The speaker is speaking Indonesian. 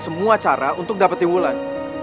semua cara untuk dapetin ulan